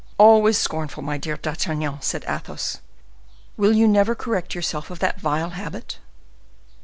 "Always scornful, my dear D'Artagnan!" said Athos. "Will you never correct yourself of that vile habit?"